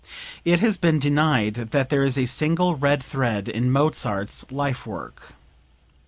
It has been denied that there is a single red thread in Mozart's life work.